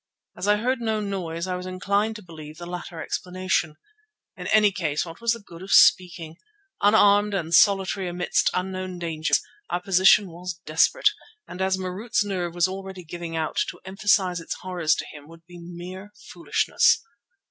As I heard no noise I was inclined to believe the latter explanation. In any case, what was the good of speaking? Unarmed and solitary amidst unknown dangers, our position was desperate, and as Marût's nerve was already giving out, to emphasize its horrors to him would be mere foolishness.